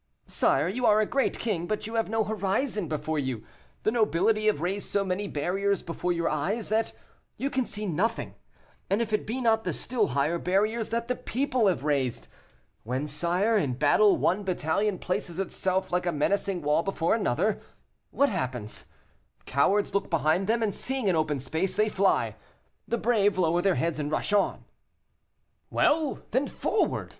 Sire, you are a great king, but you have no horizon before you; the nobility have raised so many barriers before your eyes, that you can see nothing, if it be not the still higher barriers that the people have raised. When, sire, in battle one battalion places itself like a menacing wall before another, what happens? Cowards look behind them, and seeing an open space, they fly; the brave lower their heads and rush on." "Well, then forward!"